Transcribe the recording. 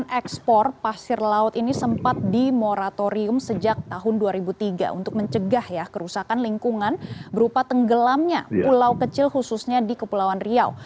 kemudian ekspor pasir laut ini sempat dimoratorium sejak tahun dua ribu tiga untuk mencegah ya kerusakan lingkungan berupa tenggelamnya pulau kecil khususnya di kepulauan riau